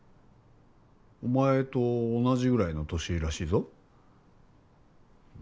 お前と同じぐらいの年らしいぞ？